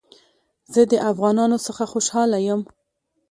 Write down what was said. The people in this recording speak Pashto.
زه د افغانانو څخه خوشحاله يم